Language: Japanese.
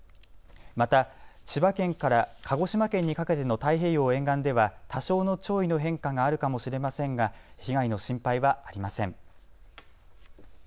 また千葉県から鹿児島県にかけての太平洋沿岸では多少の潮位の変化があるかもしれませんが被害の心配はありません。